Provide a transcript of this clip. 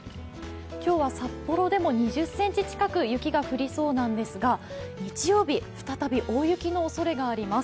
今日は札幌でも２０ｃｍ近く雪が降りそうなんですが、日曜日、再び大雪のおそれがあります。